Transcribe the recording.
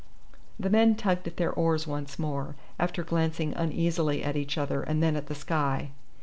The men tugged at their oars once more, after glancing uneasily at each other and then at the sky.